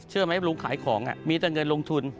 เชื่อไหมลุงขายของมีแต่เงินลงทุน